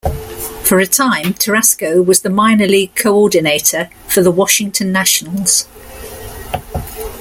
For a time, Tarasco was the minor league coordinator for the Washington Nationals.